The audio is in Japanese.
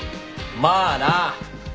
まあな！